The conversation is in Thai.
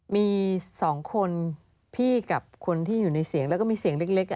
มี๒คนพี่กับคนที่อยู่ในเสียงแล้วก็มีเสียงเล็ก